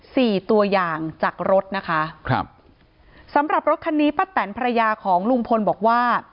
สี่ตัวอย่างจากรถนะคะครับสำหรับรถคันนี้ป้าแตนภรรยาของลุงพลบอกว่า